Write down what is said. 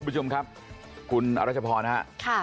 คุณผู้ชมครับคุณอรัชพรนะครับ